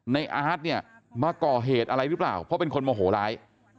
อาร์ตเนี่ยมาก่อเหตุอะไรหรือเปล่าเพราะเป็นคนโมโหร้าย